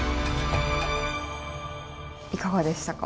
いかがでしたか？